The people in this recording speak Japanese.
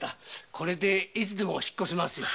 これでいつでも引っ越せます。